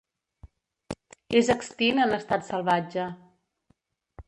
És extint en estat salvatge.